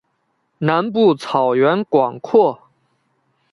南部草原广阔。